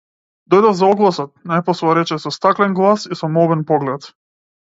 Дојдов за огласот, најпосле рече со стаклен глас и со молбен поглед.